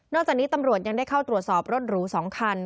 จากนี้ตำรวจยังได้เข้าตรวจสอบรถหรู๒คัน